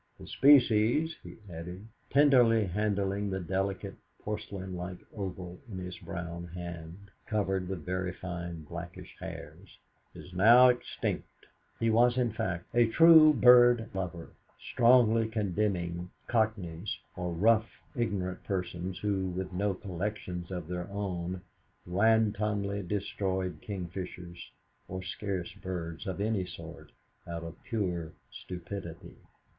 The species," he added, tenderly handling the delicate, porcelain like oval in his brown hand covered with very fine, blackish hairs, "is now extinct." He was, in fact, a true bird lover, strongly condemning cockneys, or rough, ignorant persons who, with no collections of their own, wantonly destroyed kingfishers, or scarce birds of any sort, out of pure stupidity.